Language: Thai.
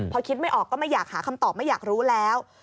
พอคิดไม่ออกก็ไม่อยากหาคำตอบไม่อยากรู้แล้ว